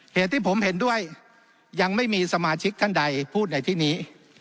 เหตุที่ผมเห็นด้วยยังไม่มีสมาชิกท่านใดพูดในที่นี้